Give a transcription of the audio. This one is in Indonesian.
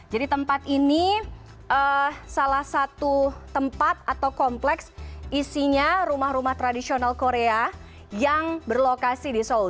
jadi tempat ini salah satu tempat atau kompleks isinya rumah rumah tradisional korea yang berlokasi di seoul